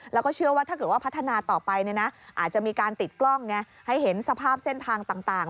แล้วก็เชื่อว่าถ้าเกิดว่าพัฒนาต่อไปอาจจะมีการติดกล้องให้เห็นสภาพเส้นทางต่าง